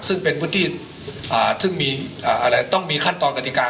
ซึ่งเป็นพื้นที่ต้องมีขั้นตอนกฎิกา